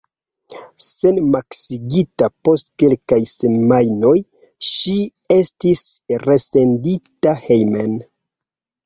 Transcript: Senmaskigita post kelkaj semajnoj, ŝi estis resendita hejmen.